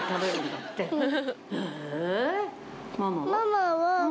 ママは？